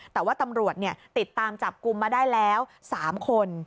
แต่ว่าตำรวจติดตามจับกลุ่มมาได้แล้ว๓คน